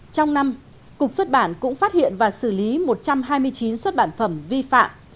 trong năm cục xuất bản cũng phát hiện và xử lý một trăm hai mươi chín xuất bản phẩm vi phạm